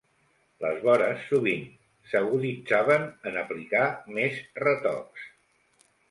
Les vores sovint s'aguditzaven en aplicar més retocs.